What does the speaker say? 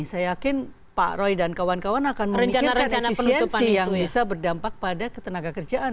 saya yakin pak roy dan kawan kawan akan memikirkan eksistensi yang bisa berdampak pada ketenaga kerjaan